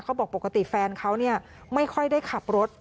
เขาบอกปกติแฟนเขาไม่ค่อยได้ขับรถ